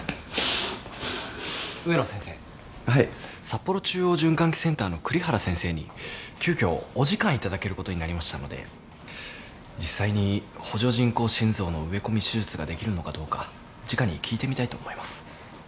札幌中央循環器センターの栗原先生に急きょお時間頂けることになりましたので実際に補助人工心臓の植え込み手術ができるのかどうかじかに聞いてみたいと思います。